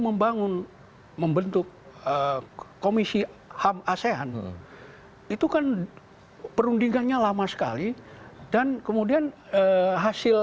membangun membentuk komisi ham asean itu kan perundingannya lama sekali dan kemudian hasil